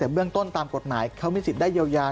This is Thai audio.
แต่เบื้องต้นตามกฎหมายเขามีสิทธิ์ได้เยียวยา